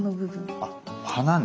あっ鼻ね。